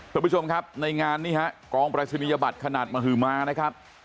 คุณผู้ชมครับในงานนี้ฮะกองปรายศนียบัตรขนาดมหมานะครับ